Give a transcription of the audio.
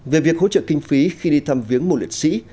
về việc hỗ trợ kinh phí khi đi thăm viếng mùa liệt sĩ